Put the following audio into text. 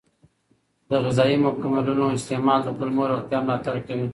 د غذایي مکملونو استعمال د کولمو روغتیا ملاتړ کوي.